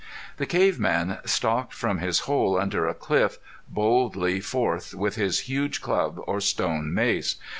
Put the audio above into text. The cave man stalked from his hole under a cliff, boldly forth with his huge club or stone mace.